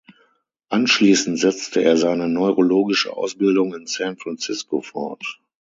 Anschließend setzte er seine neurologische Ausbildung in San Francisco fort.